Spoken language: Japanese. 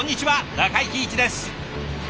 中井貴一です。